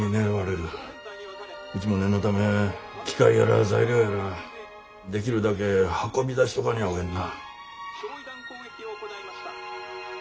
うちも念のため機械やら材料やらできるだけ運び出しとかにゃあおえんな。